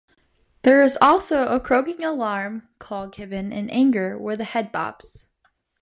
There is also a croaking alarm call given in anger where the head bobs.